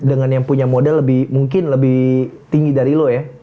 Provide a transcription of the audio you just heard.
dengan yang punya modal lebih mungkin lebih tinggi dari lo ya